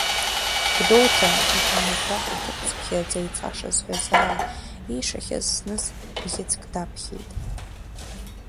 Гәдоуҭа, — иҳәан, убраҟа ҭыԥцԥхьаӡа ицашаз ҳәа заа иишахьаз зныз бӷьыцк даԥхьеит.